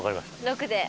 ６で。